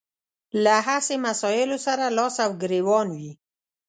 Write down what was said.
له هسې مسايلو سره لاس او ګرېوان وي.